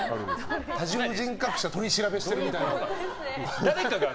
多重人格者取り調べしてるみたい。